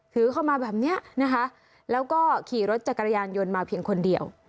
ถือเข้ามาแบบนี้นะคะแล้วก็ขี่รถจักรยานยนต์มาเพียงคนเดียว